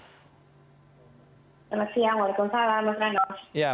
selamat siang waalaikumsalam